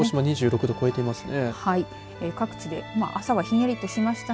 鹿児島２６度を超えていますね。